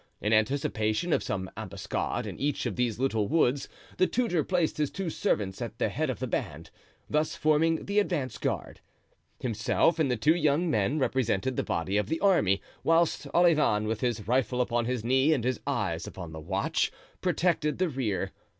In anticipation of some ambuscade in each of these little woods the tutor placed his two servants at the head of the band, thus forming the advance guard. Himself and the two young men represented the body of the army, whilst Olivain, with his rifle upon his knee and his eyes upon the watch, protected the rear.